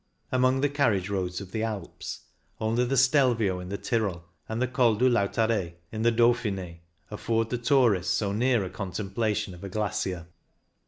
Among the carriage roads of the Alps only the Stelvio in the Tyrol, and the Col du Lautaret in the Dauphin^, afford the tourist so near a contemplation of a glacier.